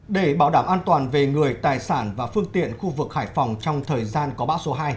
để bảo đảm an toàn về người tài sản và phương tiện khu vực hải phòng trong thời gian có bão số hai